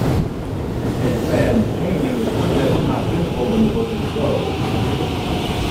A fanned painting is one that is not visible when the book is closed.